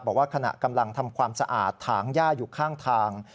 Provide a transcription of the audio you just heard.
บอกว่าขณะกำลังทำความสะอาดถางย่าอยู่ข้างทาง